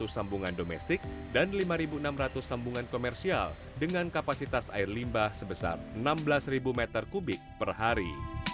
satu sambungan domestik dan lima enam ratus sambungan komersial dengan kapasitas air limbah sebesar enam belas meter kubik per hari